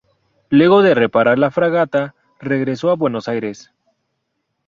Luego de reparar la fragata, regresó a Buenos Aires.